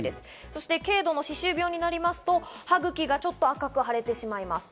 そして軽度の歯周病になりますと歯ぐきがちょっと赤く腫れてしまいます。